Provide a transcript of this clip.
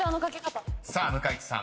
［さあ向井地さん］